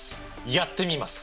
やってみます！